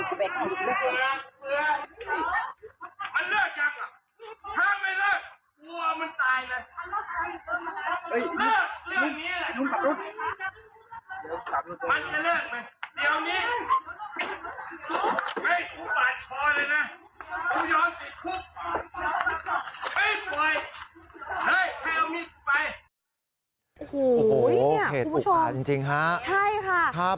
นี่นี่คุณผู้ชมครับใช่ค่ะเพชรอุปะจริงค่ะครับ